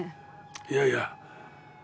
いやいや。